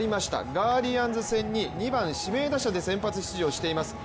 ガーディアンズ戦に２番・指名打者で先発出場しています。